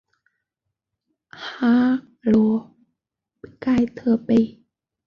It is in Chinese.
哈罗盖特贝蒂斯和泰勒是英国约克郡的一个家族企业。